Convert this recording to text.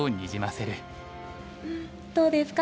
どうですか？